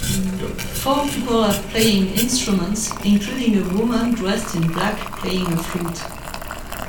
Four people are playing instruments, including a woman dressed in black playing a flute.